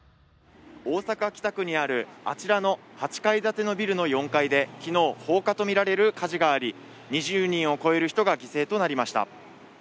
大阪北区にあるあちらの８階建てビルの４階で昨日、放火とみられる火事があり、２０人を超える人が犠牲となりました。